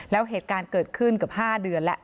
แล้วเหตุการณ์เกิดขึ้นเกือบ๕เดือนแล้ว